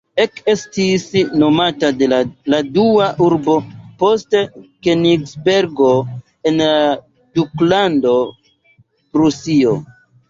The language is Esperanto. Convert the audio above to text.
Ekestis nomata la dua urbo post Kenigsbergo en la Duklando Prusio.